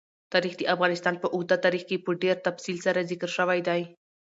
تاریخ د افغانستان په اوږده تاریخ کې په ډېر تفصیل سره ذکر شوی دی.